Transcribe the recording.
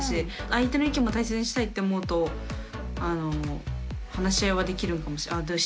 相手の意見も大切にしたいって思うと話し合いはできるのかもしれない。